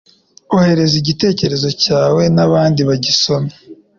Ohereza Igitekerezo cyawe nabandi bagisome